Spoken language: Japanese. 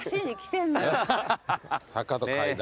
坂と階段。